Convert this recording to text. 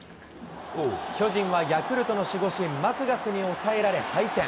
巨人はヤクルトの守護神、マクガフに抑えられ敗戦。